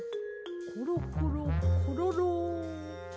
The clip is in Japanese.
コロコロコロロ！